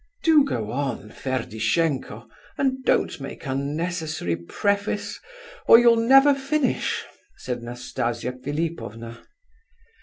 "Do go on, Ferdishenko, and don't make unnecessary preface, or you'll never finish," said Nastasia Philipovna.